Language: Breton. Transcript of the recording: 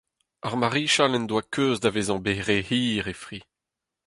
Ar marichal en doa keuz da vezañ bet re hir e fri.